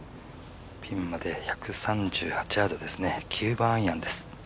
ピンまで１３８ヤードですね、９番アイアンです。